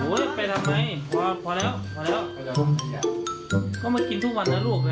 ไปทำไมพอพอแล้วพอแล้วก็มากินทุกวันนะลูกนะ